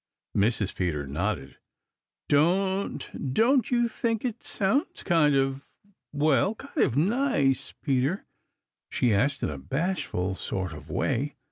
Mrs. Peter nodded. "Don't don't you think it sounds kind of well, kind of NICE, Peter?" she asked in a bashful sort of way.